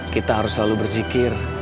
kita harus selalu bersikir